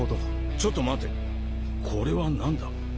ちょっと待てこれは何だ？